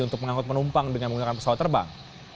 untuk mengangkut penumpang dengan menggunakan pesawat terbang